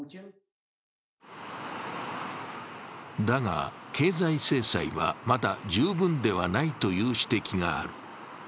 だが、経済制裁はまだ十分ではないという指摘がある。